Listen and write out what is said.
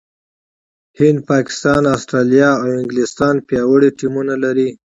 هند، پاکستان، استراليا او انګلستان پياوړي ټيمونه لري.